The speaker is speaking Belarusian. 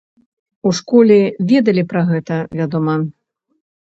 У школе ведалі пра гэта, вядома.